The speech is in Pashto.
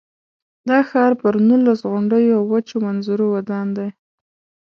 دا ښار پر نولس غونډیو او وچو منظرو ودان دی.